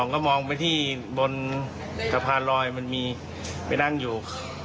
ก็มองไปที่บนสะพานลอยมันมีไปนั่งอยู่